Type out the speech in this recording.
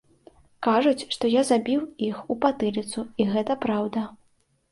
Кажуць, што я забіў іх у патыліцу, і гэта праўда.